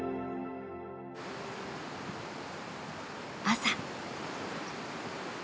朝。